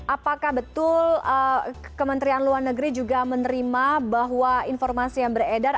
apakah betul kementerian luar negeri juga menerima bahwa informasi yang beredar